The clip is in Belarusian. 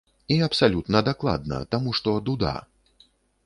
І абсалютна дакладна, таму што дуда.